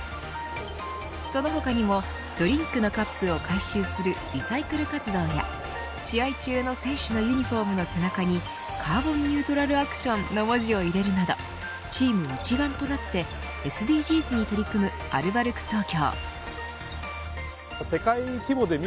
その他にもドリンクのカップを回収するリサイクル活動や試合中の選手のユニホームの背中にカーボンニュートラルアクションの文字を入れるなどチーム一丸となってＳＤＧｓに取り組むアルバルク東京。